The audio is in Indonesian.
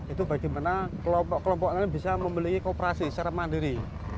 itu bagaimana kelompok kelompoknya bisa memelihik kooperasi secara mandiri